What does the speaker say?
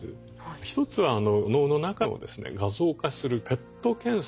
１つは脳の中をですね画像化するＰＥＴ検査。